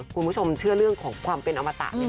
คุณผู้ชมเชื่อเรื่องของความเป็นอมตะ